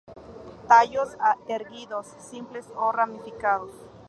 Tallos erguidos, simples o ramificados.